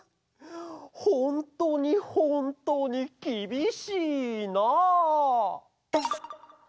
ほんとにほんとにきびしいな。